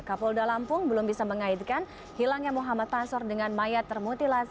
kapolda lampung belum bisa mengaitkan hilangnya muhammad pansor dengan mayat termutilasi